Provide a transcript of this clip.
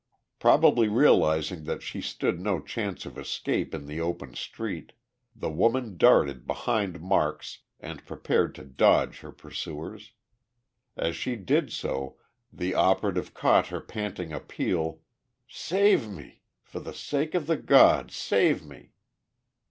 Probably realizing that she stood no chance of escape in the open street, the woman darted behind Marks and prepared to dodge her pursuers. As she did so the operative caught her panting appeal: "Save me! For the sake of the God, save me!"